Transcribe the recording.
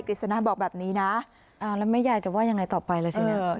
ฤษณะบอกแบบนี้นะแล้วแม่ยายจะว่ายังไงต่อไปล่ะทีนี้